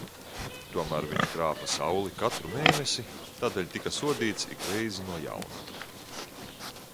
Tomēr viņš krāpa Sauli katru mēnesi, tādēļ tika sodīts ik reizi no jauna.